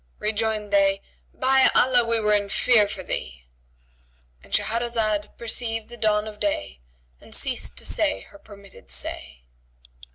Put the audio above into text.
Rejoined they, "By Allah, we were in fear for thee".—And Shahrazad perceived the dawn of day and ceased to say her permitted say.